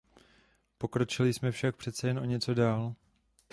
Pokročili jsme však přece jen o něco dál.